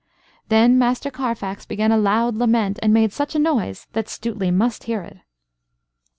Then Master Carfax began a loud lament, and made such a noise that Stuteley must hear it.